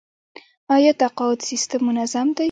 آیا تقاعد سیستم منظم دی؟